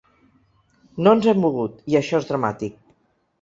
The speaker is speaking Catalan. No ens hem mogut, i això és dramàtic.